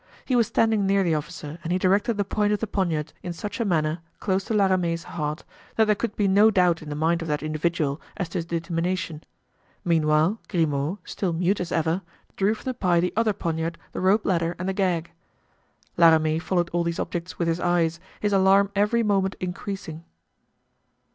He was standing near the officer and he directed the point of the poniard in such a manner, close to La Ramee's heart, that there could be no doubt in the mind of that individual as to his determination. Meanwhile, Grimaud, still mute as ever, drew from the pie the other poniard, the rope ladder and the gag. La Ramee followed all these objects with his eyes, his alarm every moment increasing.